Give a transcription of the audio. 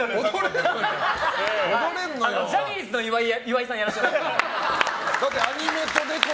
ジャニーズの岩井さんやらせてもらってます。